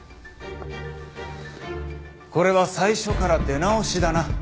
これは最初から出直しだな。